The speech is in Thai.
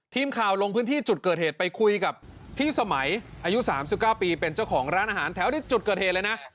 ทีมข่าวลงพื้นที่จุดเกิดเหตุไปคุยกับพี่สมัยอายุ๓๙ปีเป็นเจ้าของร้านอาหารแถวที่จุดเกิดเหตุเลยนะ